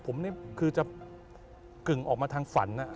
ผมนี่คือจะกึ่งออกมาทางฝัน